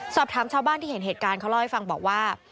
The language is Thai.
สอบถามชาวบ้านที่เห็นเหตุการณ์เขาเล่าให้ฟังบอกว่า